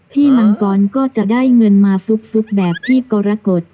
มังกรก็จะได้เงินมาฟุกแบบพี่กรกฎ